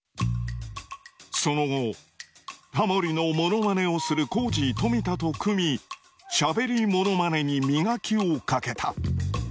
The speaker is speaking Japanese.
その後タモリのモノマネをするコージー冨田と組みしゃべりモノマネに磨きをかけた。